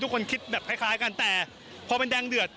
ทุกคนคิดคล้ายกันแต่พอมันแดงเดือด